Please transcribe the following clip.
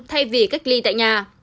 thay vì cách ly tại nhà